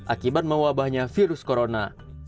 akibat mewabahnya virus corona